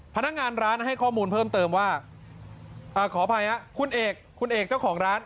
พนักงานร้านให้ข้อมูลเพิ่มเติมว่าขออภัยฮะคุณเอกคุณเอกเจ้าของร้าน